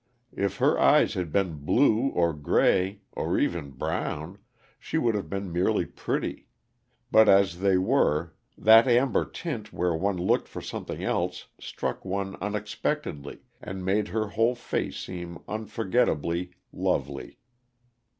If her eyes had been blue, or gray or even brown she would have been merely pretty; but as they were, that amber tint where one looked for something else struck one unexpectedly and made her whole face unforgettably lovely.